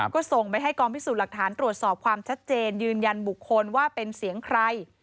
ก็ส่งไปให้กองพิสูจน์หลักฐานตรวจสอบความชัดเจนยืนยันบุคคลว่าเป็นเสียงใคร